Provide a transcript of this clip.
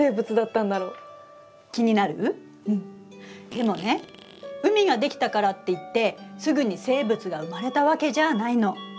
でもね海が出来たからっていってすぐに生物が生まれたわけじゃないの。